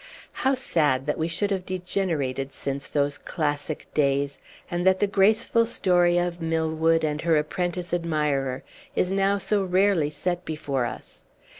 How sad that we should have degenerated since those classic days, and that the graceful story of Milwood and her apprentice admirer is now so rarely set before us!